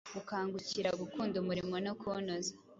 gukangukira gukunda umurimo no kuwunoza